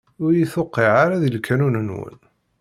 Ur iyi-tuqiɛ ara di lqanun-nwen.